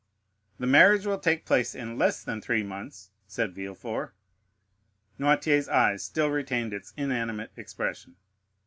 "The marriage will take place in less than three months," said Villefort. Noirtier's eye still retained its inanimate expression.